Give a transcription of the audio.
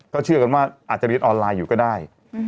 เชื่อกันว่าอาจจะเรียนออนไลน์อยู่ก็ได้